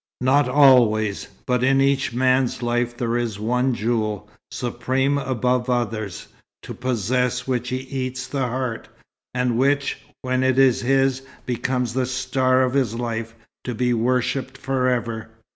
"Not always. But in each man's life there is one jewel, supreme above others, to possess which he eats the heart, and which, when it is his, becomes the star of his life, to be worshipped forever.